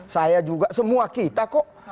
saya juga semua kita kok